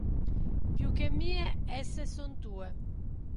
Più che mie esse son tue.